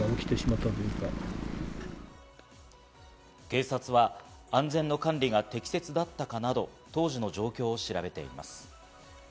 警察は安全の管理が適切だったかなど当時の状況を調べています。